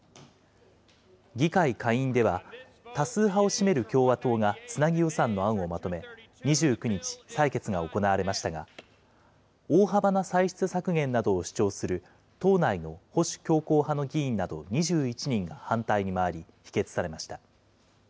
議会下院では多数派を占める共和党がつなぎ予算の案をまとめ、２９日、採決が行われましたが、大幅な歳出削減などを主張する党内の保守強硬派の議員など２１人が反対に回り、否決されました。